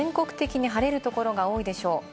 きょうは全国的に晴れるところが多いでしょう。